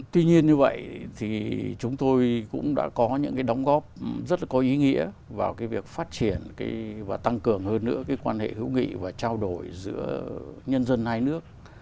tuy nhiên như vậy thì chúng tôi cũng đã có những cái đóng góp rất là có ý nghĩa vào cái việc phát triển và tăng cường hơn nữa cái quan hệ hữu nghị và trao đổi giữa nhân dân hai nước